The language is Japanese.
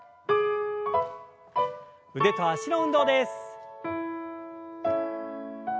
腕と脚の運動です。